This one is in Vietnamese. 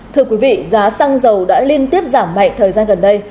thưa quý vị giá xăng dầu đã liên tiếp giảm mạnh thời gian gần đây